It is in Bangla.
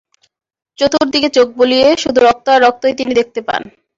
চতুর্দিকে চোখ বুলিয়ে শুধু রক্ত আর রক্তই তিনি দেখতে পান।